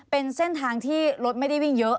เป็นเส้นทางที่รถไม่ได้วิ่งเยอะ